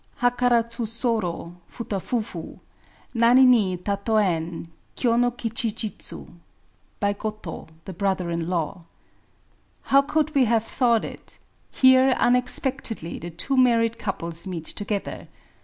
Hakarazu s5ro Futa fufu ; Nani ni tatden Kyo no kichi jitsu. — By Goto {the brother in law). How could we have thought it ! Here unexpectedly the two married couples meet together.